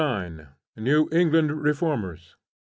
NEW ENGLAND REFORMERS.